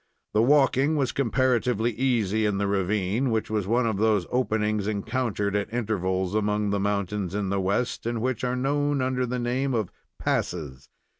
The walking was comparatively easy in the ravine, which was one of those openings encountered at intervals among the mountains in the West, and which are known under the name of passes.